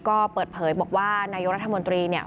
ก็เปิดเผยบอกว่านายกรัฐมนตรีเนี่ย